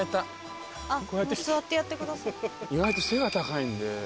意外と背が高いんで。